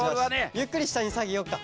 ゆっくりしたにさげようか。